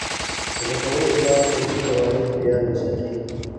زده کوونکي باید د لیک قواعد په یاد وساتي.